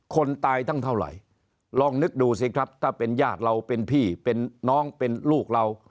คนตายทั้งเท่าไหร่ลองนึกดูสิครับถ้าเป็นญาติเราเป็นพี่เป็นน้องเป็นลูกเรา